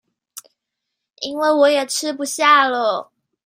因為我也吃不下了